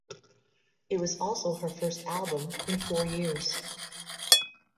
It was also her first album in four years.